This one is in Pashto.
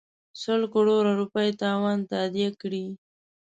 سل کروړه روپۍ تاوان تادیه کړي.